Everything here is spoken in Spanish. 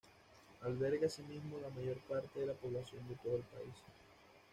Alberga asimismo la mayor parte de la población de todo el país.